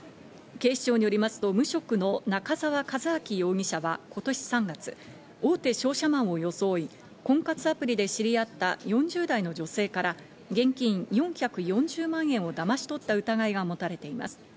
警視庁によりますと無職の仲沢一晃容疑者は今年３月、大手商社マンを装い、婚活アプリで知り合った４０代の女性から現金４４０万円をだまし取った疑いが持たれています。